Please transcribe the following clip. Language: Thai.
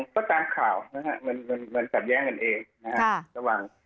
ก็ตามข่าวนะฮะสับแย้งกันเอง